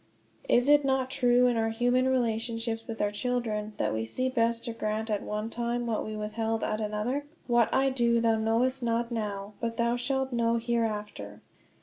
Is it not true, in our human relationships with our children, that we see best to grant at one time what we withhold at another? "What I do thou knowest not now, but thou shalt know hereafter."